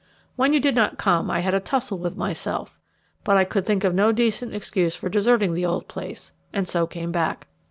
When you did not come, I had a tussle with myself; but I could think of no decent excuse for deserting the old place, and so came back.